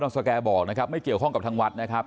สแกบอกนะครับไม่เกี่ยวข้องกับทางวัดนะครับ